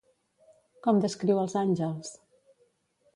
Com descriu els àngels?